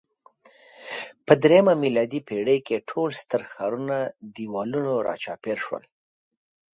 په درېیمه میلادي پېړۍ کې ټول ستر ښارونه دېوالونو راچاپېر شول